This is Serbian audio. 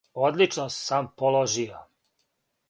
одлично сам положио!